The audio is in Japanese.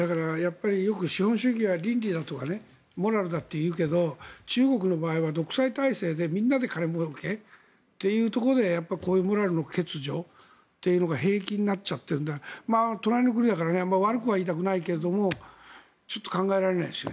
よく資本主義は倫理だとかモラルだっていうけれど中国の場合は独裁体制でみんなで金もうけというところでこういうモラルの欠如というのが平気になっちゃってるので隣の国だからあまり悪くは言いたくないけれどちょっと考えられないですね。